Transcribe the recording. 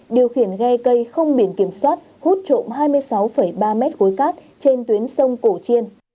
điều khiển ghe cây không biển kiểm soát hút trộm hai mươi sáu ba mét khối cát trên tuyến sông cổ chiên